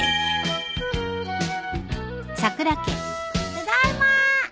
ただいま。